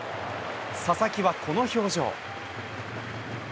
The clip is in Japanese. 佐々木はこの表情。